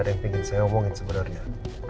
ada yang ingin saya omongin sebenarnya